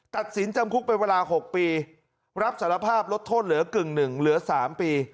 ตัดสินจำคุกเป็นเวลา๖ปีรับสารภาพลดโทษเหลือกึ่งหนึ่งเหลือ๓ปี